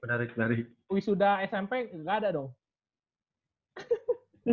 berarti lu ini wisuda smp gak ada dong